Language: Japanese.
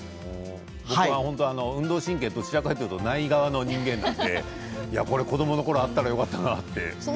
僕は運動神経どちらかというとない側の人間なのでこれは子どものころにあったらよかったなって思いました。